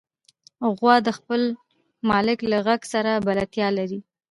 غوا د خپل مالک له غږ سره بلدتیا لري.